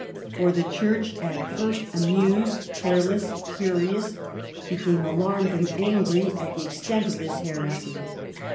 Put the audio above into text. For the Church, at first amused, careless, curious, became alarmed and angry at the ex tent of this heresy.